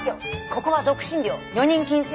ここは独身寮女人禁制よ。